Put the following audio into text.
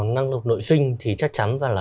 năng lực nội sinh thì chắc chắn là